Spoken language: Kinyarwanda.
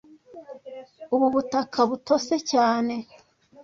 Ubu butaka butose cyane